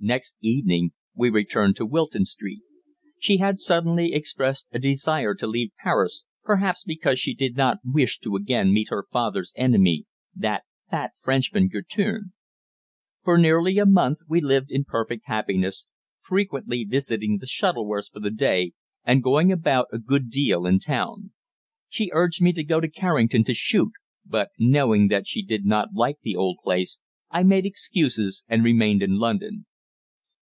Next evening we returned to Wilton Street. She had suddenly expressed a desire to leave Paris, perhaps because she did not wish to again meet her father's enemy, that fat Frenchman Guertin. For nearly a month we lived in perfect happiness, frequently visiting the Shuttleworths for the day, and going about a good deal in town. She urged me to go to Carrington to shoot, but, knowing that she did not like the old place, I made excuses and remained in London.